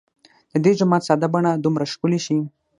د دې جومات ساده بڼه دومره ښکلې شي.